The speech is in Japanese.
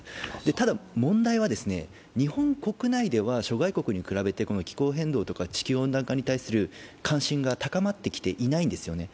ただ問題は、日本国内では諸外国に比べて気候変動や地球温暖化に関する関心が高まってきていないんですね。